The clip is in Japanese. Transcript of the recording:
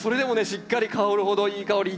しっかり香るほどいい香り。